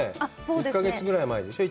１か月ぐらい前でしょう？